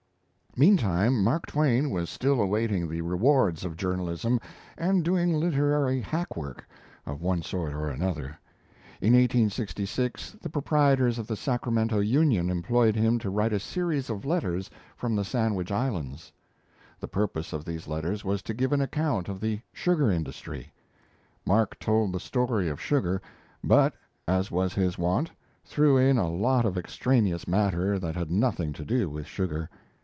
Meantime Mark Twain was still awaiting the rewards of journalism, and doing literary hack work of one sort or another. In 1866 the proprietors of the 'Sacramento Union' employed him to write a series of letters from the Sandwich Islands. The purpose of these letters was to give an account of the sugar industry. Mark told the story of sugar, but, as was his wont, threw in a lot of extraneous matter that had nothing to do with sugar.